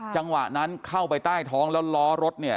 จังหวะนั้นเข้าไปใต้ท้องแล้วล้อรถเนี่ย